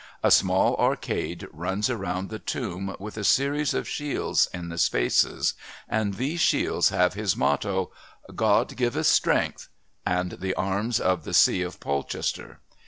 A small arcade runs round the tomb with a series of shields in the spaces, and these shields have his motto, 'God giveth Strength,' and the arms of the See of Polchester.